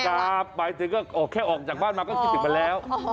กลับไปก็แค่ออกจากบ้านมาก็คิดถึงไปแล้ว